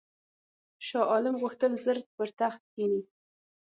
شاه عالم غوښتل ژر پر تخت کښېني.